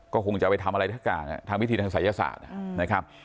ก็คงจะไปทำอะไรทั้งการอ่ะทางพิธีทางศัยยศาสตร์อืมนะครับ